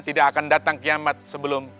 tidak akan datang kiamat sebelum